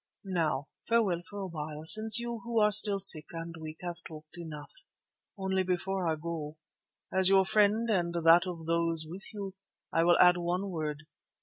Now, farewell for a while, since you, who are still sick and weak, have talked enough. Only before I go, as your friend and that of those with you, I will add one word.